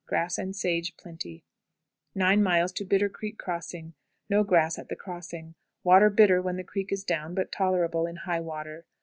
Grass and sage plenty. 9. Bitter Creek Crossing. No grass at the crossing. Water bitter when the creek is down, but tolerable in high water.